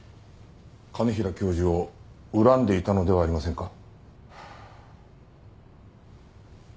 兼平教授を恨んでいたのではありませんか？